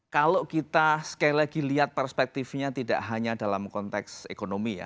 kalau kita sekali lagi lihat perspektifnya tidak hanya dalam konteks ekonomi ya